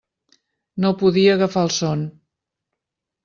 No podia agafar el son.